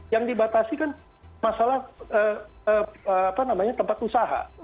yang dibatasi kan masalah tempat usaha